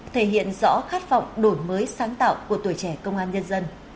thể hiện rõ khát vọng đổi mới sáng tạo của tuổi trẻ công an nhân dân